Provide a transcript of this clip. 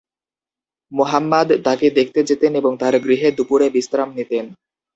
মুহাম্মাদ তাকে দেখতে যেতেন এবং তার গৃহে দুপুরে বিশ্রাম নিতেন।